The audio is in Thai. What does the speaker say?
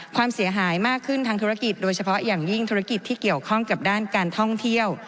ความเสียหายมากขึ้นทางธุรกิจโดยเฉพาะอย่างยิ่งธุรกิจที่เกี่ยวข้องกับด้านการท่องเที่ยว